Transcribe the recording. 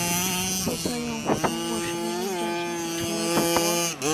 注册用户通过实名认证申请成为主播。